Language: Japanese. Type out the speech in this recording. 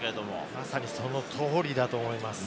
まさにその通りだと思います。